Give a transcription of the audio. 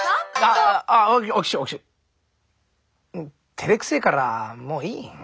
てれくせえからもういい。